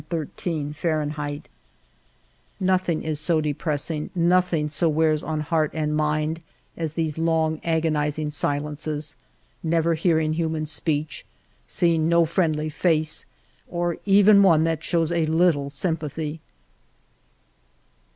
176 FIVE YEARS OF MY LIFE Nothing is so depressing, nothing so wears on heart and mind, as these long, agonizing silences, never hearing human speech, seeing no friendly face, or even one that shows a little sympathy.